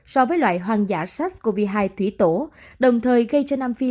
so với loại hoang dã sars cov hai thủy tổ đồng thời gây cho nam phi